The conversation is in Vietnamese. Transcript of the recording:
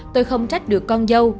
tôi không trách được con dâu